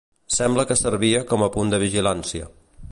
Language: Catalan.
Sembla que servia com a punt de vigilància.